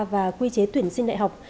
và quy chế tuyển sinh đại học